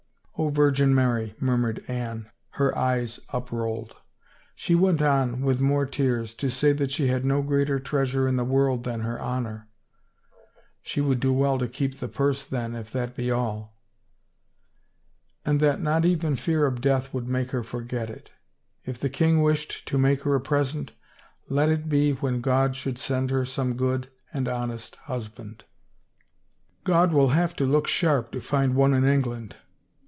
" O Virgin Mary I " murmured Anne, her eyes up rolled. She went on, with more tears, to say that she had no greater treasure in the world than her honor —"" She would do well to keep the purse then, if that be all —"" And that not even fear of death would make her forget it. If the king wished to make her a present let it be when God should send her some good and honest husband." " God will have to look sharp to find one in England.